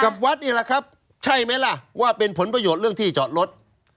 วัดนี่แหละครับใช่ไหมล่ะว่าเป็นผลประโยชน์เรื่องที่จอดรถ